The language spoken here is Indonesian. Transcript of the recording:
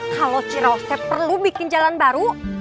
kalau ciraustris perlu bikin jalan baru